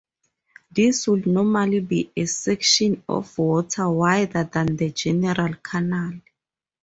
This would normally be a section of water wider than the general canal.